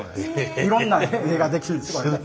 いろんな絵ができるんですね